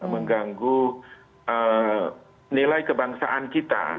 mengganggu nilai kebangsaan kita